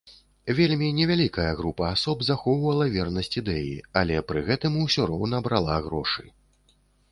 Вельмі невялікая група асоб захоўвала вернасць ідэі, але пры гэтым усё роўна брала грошы.